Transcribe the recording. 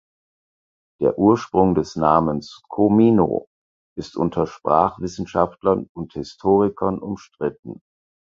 Der Ursprung des Namens "Comino" ist unter Sprachwissenschaftlern und Historikern umstritten.